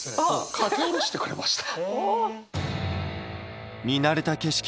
書き下ろしてくれました。